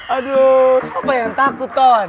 aduh siapa yang takut kawan